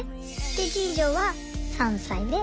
で次女は３歳で。